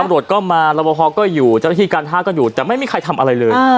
ตำรวจก็มารับประพอก็อยู่เจ้าหน้าที่การท่าก็อยู่แต่ไม่มีใครทำอะไรเลย